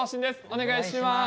お願いします。